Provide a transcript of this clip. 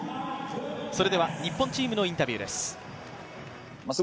日本チームのインタビューです。